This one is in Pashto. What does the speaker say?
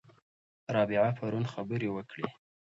رابعه پرون خبرې وکړې.